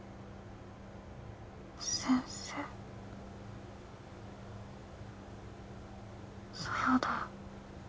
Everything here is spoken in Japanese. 先生そうだ